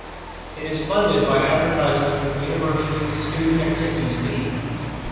It is funded by advertisements and the university's student activities fee.